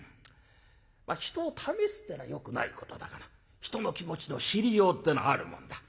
人を試すってのはよくないことだがな人の気持ちの知りようってのはあるもんだ。